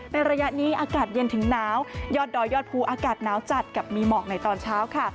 ระยะนี้อากาศเย็นถึงหนาวยอดดอยยอดภูอากาศหนาวจัดกับมีหมอกในตอนเช้าค่ะ